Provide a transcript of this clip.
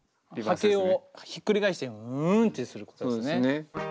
波形をひっくり返したようなウンってすることですね。